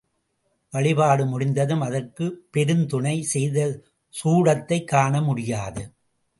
வழிபாடு முடிந்ததும், அதற்குப் பெருந்துணை செய்த சூடத்தைக் காணமுடியாது.